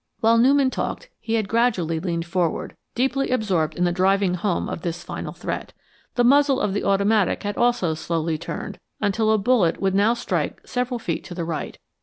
While Newman talked, he had gradually leaned forward, deeply absorbed in the driving home of this final threat. The muzzle of the automatic had also slowly turned until a bullet would now strike several feet to the right.